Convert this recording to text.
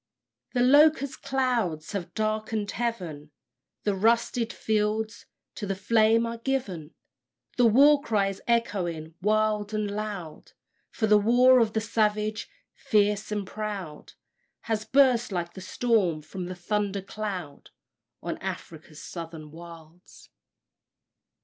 The locust clouds have darkened heaven; The "rusted" fields to the flame are given: The war cry is echoing wild and loud; For the war of the savage, fierce and proud, Has burst like the storm from the thunder cloud On Afric's Southern Wilds.